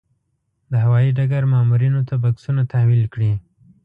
د هوايي ډګر مامورینو ته بکسونه تحویل کړي.